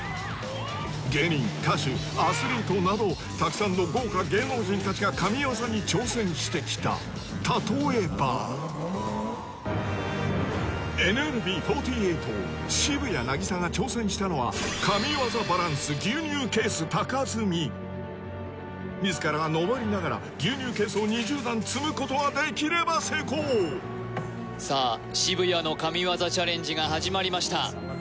芸人歌手アスリートなどたくさんの豪華芸能人たちが神業に挑戦してきた例えばＮＭＢ４８渋谷凪咲が挑戦したのは自らがのぼりながら牛乳ケースを２０段積むことができれば成功さあ渋谷の神業チャレンジが始まりました